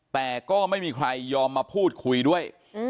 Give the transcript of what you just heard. แต่ก็ไม่มีใครยอมมาพูดคุยด้วย